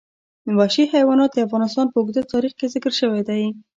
وحشي حیوانات د افغانستان په اوږده تاریخ کې ذکر شوی دی.